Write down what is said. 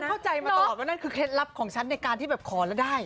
เข้าใจมาตลอดว่านั่นคือเคล็ดลับของฉันในการที่แบบขอแล้วได้